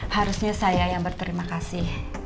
harusnya saya yang berterima kasih